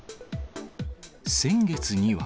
先月には。